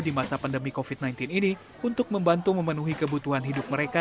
di masa pandemi covid sembilan belas ini untuk membantu memenuhi kebutuhan hidup mereka